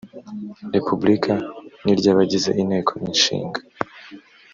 repubulika n iry abagize inteko ishinga